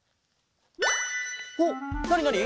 おっなになに？